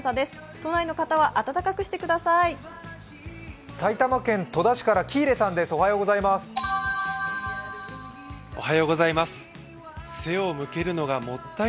都内の方は温かくしてください。